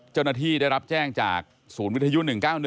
เจ้าหน้าที่ได้รับแจ้งจากศูนย์วิทยุ๑๙๑